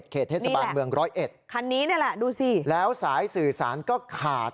เขตเทศบาลเมืองร้อยเอ็ดคันนี้นี่แหละดูสิแล้วสายสื่อสารก็ขาด